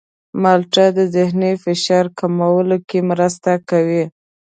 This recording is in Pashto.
مالټه د ذهني فشار کمولو کې مرسته کوي.